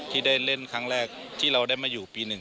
ที่ได้เล่นครั้งแรกที่เราได้มาอยู่ปี๑